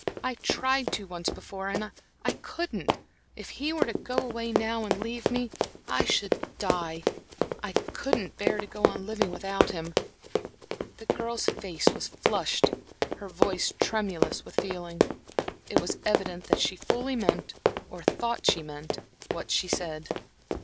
"I tried to once before, and I couldn't. If he were to go away now and leave me, I I should die. I couldn't bear to go on living without him." The girl's face was flushed, her voice tremulous with feeling; it was evident that she fully meant or thought that she meant what she said.